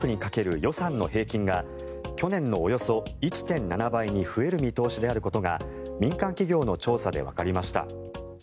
今年のゴールデンウィークにかける予算の平均が去年のおよそ１．７倍に増える見通しであることが民間企業の調査でわかりました。